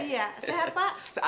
iya sehat pak